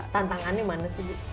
tantangannya mana sih